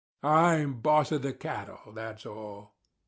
I'm boss of the cattle—that's all.